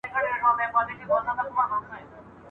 د يوسف عليه السلام وروڼو خپل شوم پلان عملي کړ.